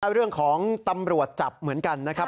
เรื่องของตำรวจจับเหมือนกันนะครับ